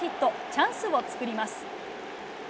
チャンスを作ります。